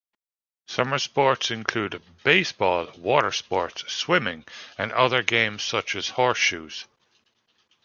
Summer sports include: baseball, water sports, swimming, and other games such as horseshoes.